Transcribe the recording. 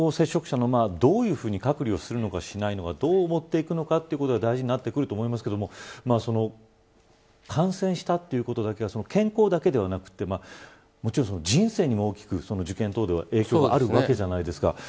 濃厚接触者をどういうふうに隔離するのか、しないのかどう持っていくのかが大事になってると思いますが感染したということだけは健康だけではなくて人生にも大きく受験等で影響があるわけじゃないですか。